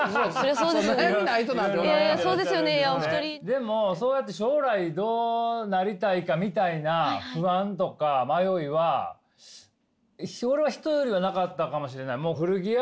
でも将来どうなりたいかみたいな不安とか迷いは俺は人よりはなかったかもしれない。